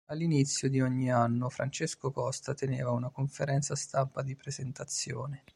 All'inizio di ogni anno Francesco Costa teneva una conferenza stampa di presentazione.